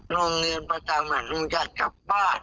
โรงเรียนประจำหนูอยากกลับบ้าน